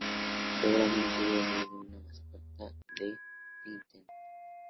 Seguramente hubo más de una mascota de Nintendo.